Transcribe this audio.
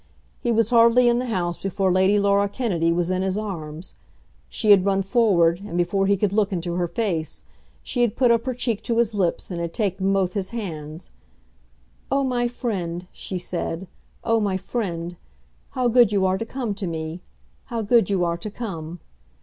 He was hardly in the house before Lady Laura Kennedy was in his arms. She had run forward, and before he could look into her face, she had put up her cheek to his lips and had taken both his hands. "Oh, my friend," she said; "oh, my friend! How good you are to come to me! How good you are to come!"